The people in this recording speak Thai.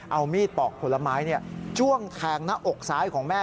เอามีดปอกผลไม้จ้วงแทงหน้าอกซ้ายของแม่